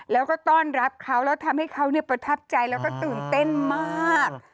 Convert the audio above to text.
แล้วก็ต้อนรับเขาแล้วทำให้เขาประทับใจแล้วก็ตื่นเต้นมาก